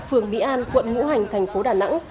phường mỹ an quận ngũ hành thành phố đà nẵng